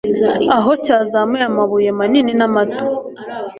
aho cyazamuye amabuye manini n'amato